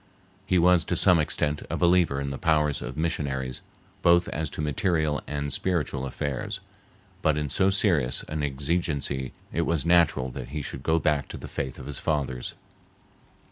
He was, to some extent, a believer in the powers of missionaries, both as to material and spiritual affairs, but in so serious an exigency it was natural that he should go back to the faith of his fathers.